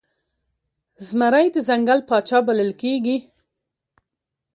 زمری د ځنګل پاچا بلل کېږي.